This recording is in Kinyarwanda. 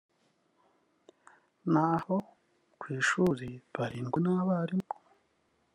na ho ku ishuri barindwa n’abarimu